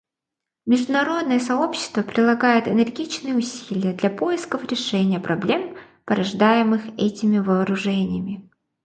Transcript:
Международное сообщество прилагает энергичные усилия для поисков решения проблем, порождаемых этими вооружениями.